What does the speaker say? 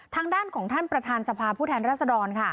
ทางด้านของท่านประธานสภาพผู้แทนรัศดรค่ะ